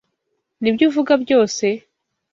Nibyo uvuga byose?